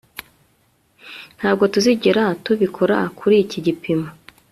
ntabwo tuzigera tubikora kuriki gipimo